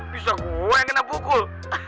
bisa gue yang kena pukul